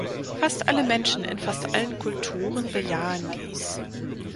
Fast alle Menschen in fast allen Kulturen bejahen dies.